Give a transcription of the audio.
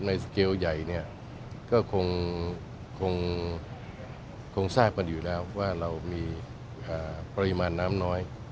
สเกลใหญ่เนี่ยก็คงทราบกันอยู่แล้วว่าเรามีปริมาณน้ำน้อย